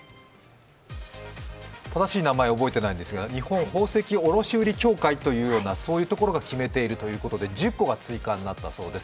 正しい名前を覚えていないんですが、日本宝石卸売協会とか、決めているということで、１０個が追加になったそうです。